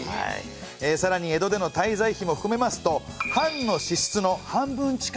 さらに江戸での滞在費も含めますと藩の支出の半分近くをしめるそうだったとか。